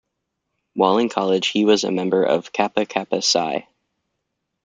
While in college, he was a member of Kappa Kappa Psi.